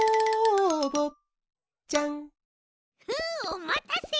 おまたせ。